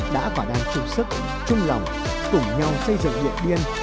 đã và đang chung sức chung lòng cùng nhau xây dựng điện biên